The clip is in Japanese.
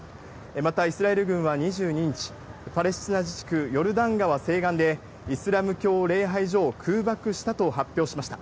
またイスラエル軍は２２日、パレスチナ自治区ヨルダン川西岸で、イスラム教礼拝所を空爆したと発表しました。